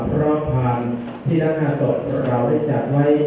แต่ถ้าท่านได้ปลาโลกก็ได้กลัวว่า